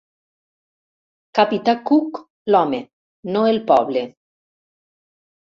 Capità Cook l'home, no el poble.